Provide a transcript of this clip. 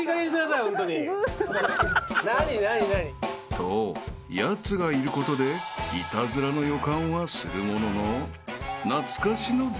［とやつがいることでイタズラの予感はするものの］